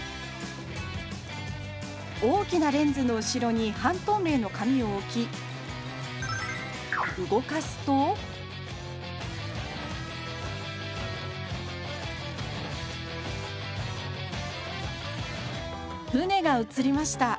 大きなレンズの後ろに半透明の紙を置き動かすと船が映りました。